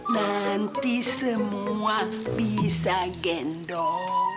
nanti semua bisa gendong